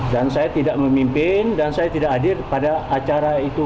dan saya tidak memimpin dan saya tidak hadir pada acara itu